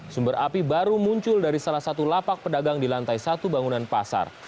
sumber api baru muncul dari salah satu lapak pedagang di lantai satu bangunan pasar